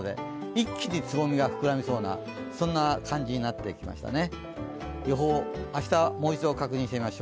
一気につぼみが膨らみそうな感じになってきましたね。